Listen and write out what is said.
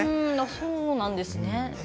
そうなんですね。